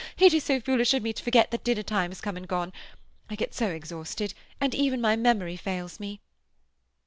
It is so foolish of me to forget that dinner time has come and gone. I get so exhausted, and even my memory fails me."